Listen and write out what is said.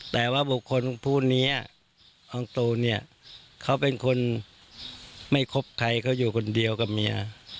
แต่ว่าบุคคลผู้นี้น้องตูนเนี่ยเขาเป็นคนไม่คบใครเขาอยู่คนเดียวกับเมีย